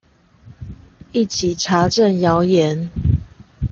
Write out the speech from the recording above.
一起查證謠言